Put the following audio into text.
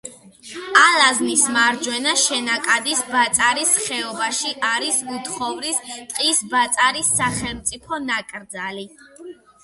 ალაზნის მარჯვენა შენაკადის ბაწარის ხეობაში არის უთხოვრის ტყის ბაწარის სახელმწიფო ნაკრძალი.